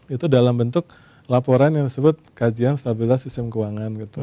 itu dalam bentuk laporan yang disebut kajian stabilitas sistem keuangan gitu